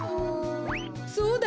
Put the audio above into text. そうだ！